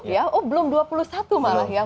ya oh belum dua puluh satu malah ya